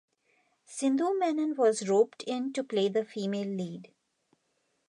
Sindhu Menon was roped in to play the female lead.